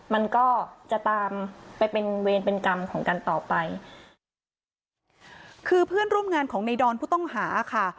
มันก็จะตามไปเป็นเวรเป็นกรรมของกันต่อไปคือเพื่อนร่วมงานของในดอนผู้ต้องหาค่ะ